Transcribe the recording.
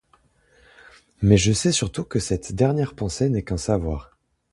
Mais je sais surtout que cette dernière pensée n’est qu’un savoir.